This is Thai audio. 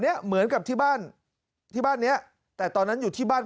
เนี้ยเหมือนกับที่บ้านที่บ้านเนี้ยแต่ตอนนั้นอยู่ที่บ้าน